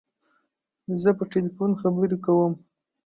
زه په تلیفون خبری کوم.